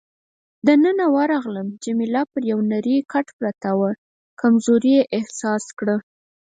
دننه ورغلم، جميله پر یو نرۍ کټ پرته وه، کمزوري یې احساس کړه.